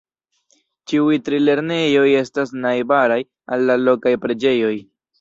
Ĉiuj tri lernejoj estas najbaraj al la lokaj preĝejoj.